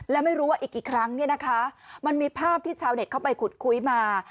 และไม่รู้ว่าอีกกี่ครั้งเนี่ยนะคะมันมีภาพที่ชาวเน็ตเข้าไปขุดคุยมา